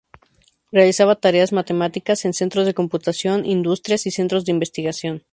Realizaba tareas matemáticas en centros de computación, industrias y centros de investigación.